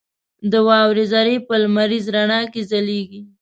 • د واورې ذرې په لمریز رڼا کې ځلېږي.